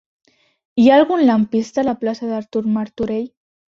Hi ha algun lampista a la plaça d'Artur Martorell?